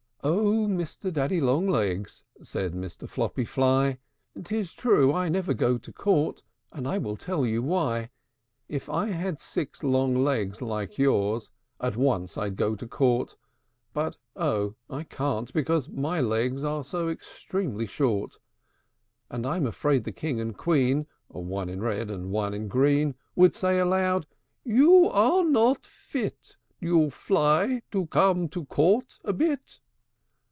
III. "O Mr. Daddy Long legs!" Said Mr. Floppy Fly, "It's true I never go to court; And I will tell you why. If I had six long legs like yours, At once I'd go to court; But, oh! I can't, because my legs Are so extremely short. And I'm afraid the king and queen (One in red, and one in green) Would say aloud, 'You are not fit, You Fly, to come to court a bit!'"